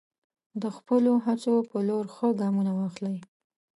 د خپلو هڅو په لور ښه ګامونه واخلئ.